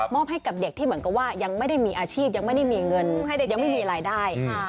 ให้กับเด็กที่เหมือนกับว่ายังไม่ได้มีอาชีพยังไม่ได้มีเงินยังไม่มีรายได้